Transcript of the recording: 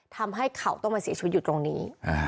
ทำให้เขาต้องมาเสียชีวิตอยู่ตรงนี้